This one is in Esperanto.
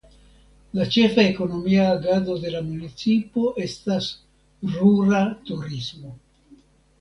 La ĉefa ekonomia agado de la municipo estas rura turismo.